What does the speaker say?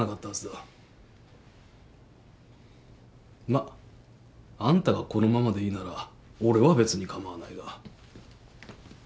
まああんたがこのままでいいなら俺は別に構わないが。